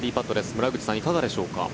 村口さん、いかがでしょうか。